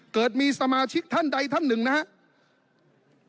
เกิดมีสมาชิกท่านใดท่านหนึ่งนะครับ